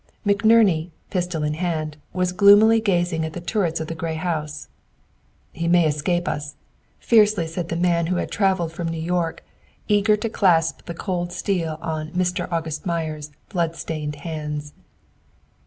McNerney, pistol in hand, was gloomily gazing at the turrets of the gray house. "He may escape us," fiercely said the man who had traveled from New York, eager to clasp the cold steel on "Mr. August Meyer's" blood stained hands.